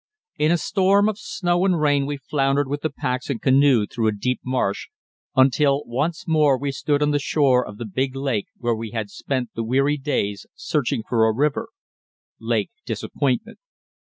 In a storm of snow and rain we floundered with the packs and canoe through a deep marsh, until once more we stood on the shore of the big lake where we had spent the weary days searching for a river Lake Disappointment.